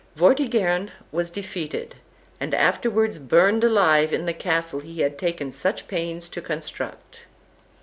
Vortigern was defeated, and afterwards burned alive in the castle he had taken such pains to construct.